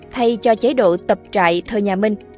thay cho chế độ tập trại thờ nhà minh